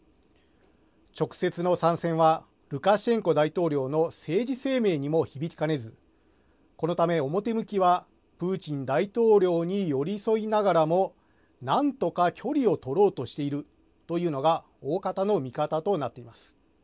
直接の参戦はルカシェンコ大統領の政治生命にも響きかねずこのため表向きはプーチン大統領に寄り添いながらも何とか距離を取ろうとしているというのが大方の見方となっています。